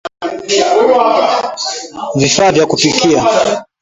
Vifaa vya kupikia